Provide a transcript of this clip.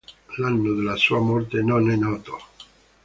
L'anno della sua morte non è noto.